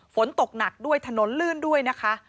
ฝนตกหนักด้วยถนนลื่นด้วยนะคะ